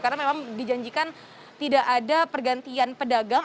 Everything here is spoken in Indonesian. karena memang dijanjikan tidak ada pergantian pedagang